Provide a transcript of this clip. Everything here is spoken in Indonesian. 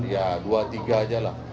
ya dua tiga aja lah